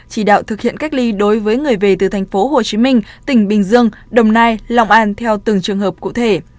chỉ đạo thực hiện cách ly đối với người về từ thành phố hồ chí minh tỉnh bình dương đồng nai long an theo từng trường hợp cụ thể